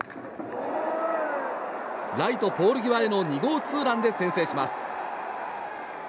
ライトポール際への２号ツーランで先制します。